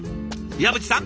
岩渕さん